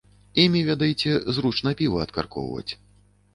Імі, ведаеце, зручна піва адкаркоўваць.